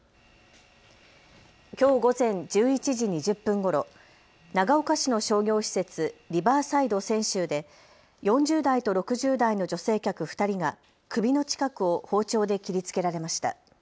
きょう午前１１時２０分ごろ、長岡市の商業施設、リバーサイド千秋で４０代と６０代の女性客２人が首の近くを包丁で切りつけられました。